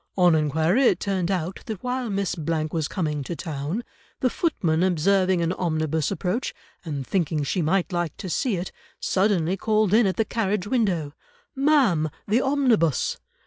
On enquiry it turned out that while Miss —— was coming to town, the footman observing an omnibus approach, and thinking she might like to see it, suddenly called in at the carriage window, 'Ma'am, the omnibus!